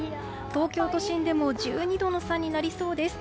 東京都心でも１２度の差になりそうです。